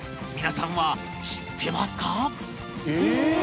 皆さんは知ってますか？